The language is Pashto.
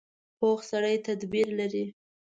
پوخ سړی تدبیر لري